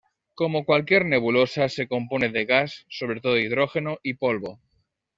Como cualquier nebulosa, se compone de gas, sobre todo hidrógeno y polvo.